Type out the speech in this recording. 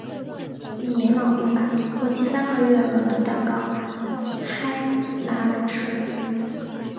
你没毛病吧？过期三个月了的蛋糕嗨拿来吃？